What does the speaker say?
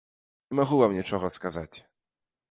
Не магу вам нічога сказаць.